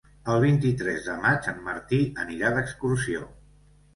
El vint-i-tres de maig en Martí anirà d'excursió.